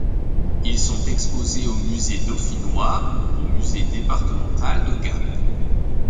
Ils sont exposés au Musée dauphinois ou au Musée départemental de Gap.